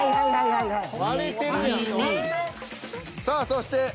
さあそして。